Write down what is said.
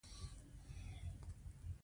ازاد ذهن د پوښتنې ځواک لري.